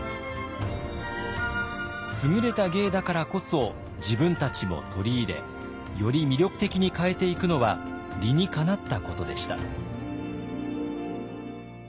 優れた芸だからこそ自分たちも取り入れより魅力的に変えていくのは理にかなったことでした。